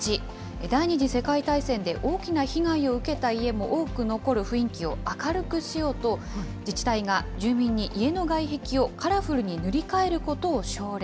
第２次世界大戦で大きな被害を受けた家も多く残る雰囲気を明るくしようと、自治体が住民に家の外壁をカラフルに塗り替えることを奨励。